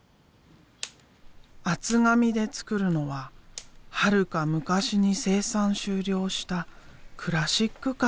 厚紙で作るのははるか昔に生産終了したクラシックカー。